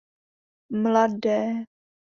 Mladé.